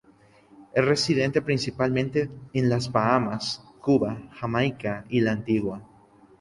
Es residente principalmente en las Bahamas, Cuba, Jamaica y la Antigua.